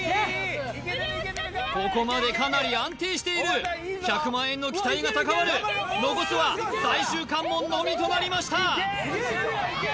ここまでかなり安定している１００万円の期待が高まる残すは最終関門のみとなりました